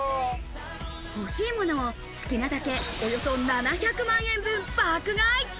欲しいものを好きなだけ、およそ７００万円分、爆買い。